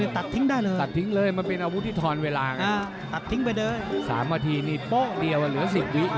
ตัดทิ้งไปโดย๓วาทีนี่โป๊ะเดียวเหลือ๑๐วิ